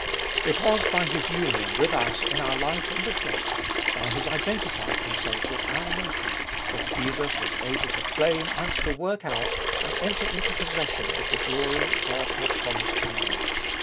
It was by His union with us in our life in the flesh, by His identifying Himself with our nature, that Jesus was able to claim and to work out and enter into possession of the glory God had promised to man.